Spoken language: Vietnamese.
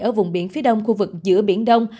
ở vùng biển phía đông khu vực giữa biển đông